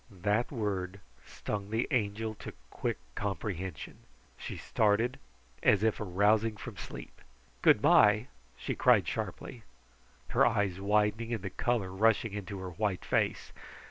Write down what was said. That word stung the Angel to quick comprehension. She started as if arousing from sleep. "Good bye?" she cried sharply, her eyes widening and the color rushing into her white face.